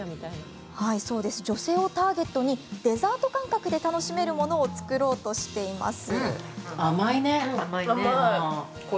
女性をターゲットにデザート感覚で楽しめるものを造ろうとしています。